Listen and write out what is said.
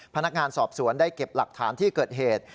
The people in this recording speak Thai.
พนักงานสอบสวนได้เก็บหลักฐานที่เกิดเหตุ